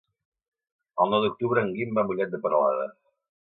El nou d'octubre en Guim va a Mollet de Peralada.